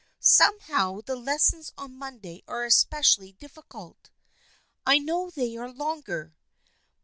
" Somehow the lessons on Monday are especially difficult. I know they are longer.